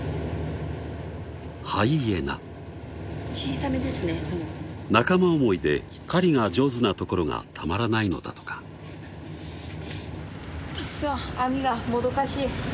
ハイエナ仲間思いで狩りが上手なところがたまらないのだとか網がもどかしい！